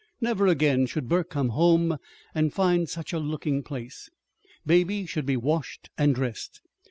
Never again should Burke come home and find such a looking place. Baby should be washed and dressed.